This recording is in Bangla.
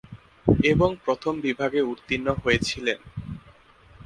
এবং প্রথম বিভাগে উত্তীর্ণ হয়েছিলেন।